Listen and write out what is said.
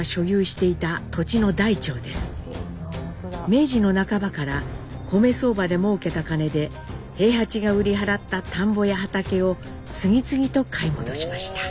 明治の半ばから米相場でもうけた金で兵八が売り払った田んぼや畑を次々と買い戻しました。